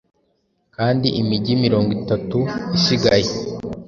Kandi imigi mirongo itatu isigaye